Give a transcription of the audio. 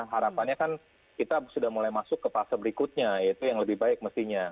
harapannya kan kita sudah mulai masuk ke fase berikutnya yaitu yang lebih baik mestinya